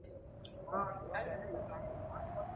বাজারে তার নামে প্রচুর দেনা।